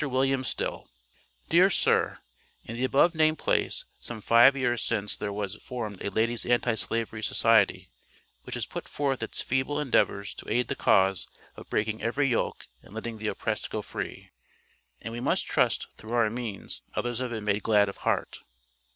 WILLIAM STILL: Dear Sir: In the above named place, some five years since there was formed a Ladies' Anti slavery Society, which has put forth its feeble endeavors to aid the cause of "breaking every yoke and letting the oppressed go free," and we trust, through our means, others have been made glad of heart.